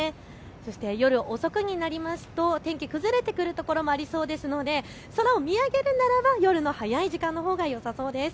そして夜遅くになりますと天気崩れてくる所もありそうですので空を見上げるならば夜の早い時間のほうがよさそうです。